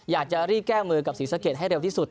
อยากจะรีบแก้มือกับศรีสะเกดให้เร็วที่สุด